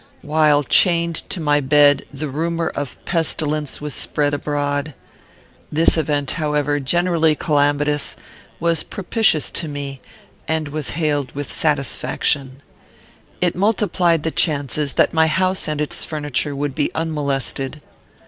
While chained to my bed, the rumour of pestilence was spread abroad. This event, however, generally calamitous, was propitious to me, and was hailed with satisfaction. It multiplied the chances that my house and its furniture would be unmolested.